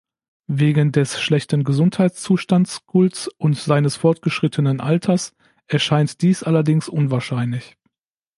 Wegen des schlechten Gesundheitszustands Gulls und seines fortgeschrittenen Alters erscheint dies allerdings unwahrscheinlich.